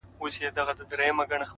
خو وخته لا مړ سوى دی ژوندى نـه دی ـ